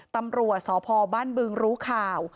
ตำรวจสพบ้านบึงรู้ข่าว